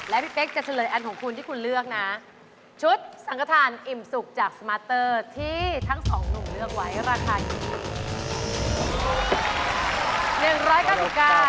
และพี่เป๊กจะเฉลยอันของคุณที่คุณเลือกนะชุดสังขทานอิ่มสุกจากสมาเตอร์ที่ทั้งสองหนุ่มเลือกไว้ราคาอยู่ที่